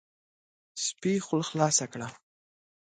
سپي خوله خلاصه کړه،